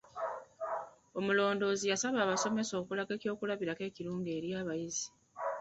Omulondoozi yasaba abasomesa okulaga ekyokulabirako ekirungi eri abayizi.